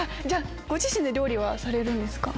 ご自身で料理はされるんですか？